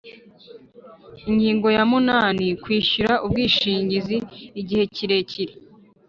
Ingingo ya munani Kwishyura ubwishingizi igihe kirekire